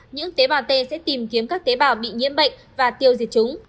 những tế bào t sẽ tìm kiếm các tế bào bị nhiễm bệnh và tiêu diệt chúng